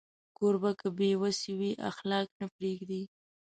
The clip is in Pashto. کوربه که بې وسی وي، اخلاق نه پرېږدي.